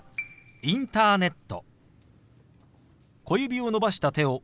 「インターネット」。